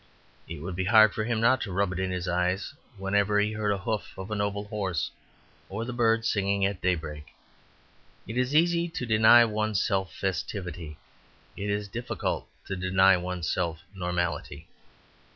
It would be hard for him not to rub it on his eyes whenever he heard the hoof of a noble horse or the birds singing at daybreak. It is easy to deny one's self festivity; it is difficult to deny one's self normality.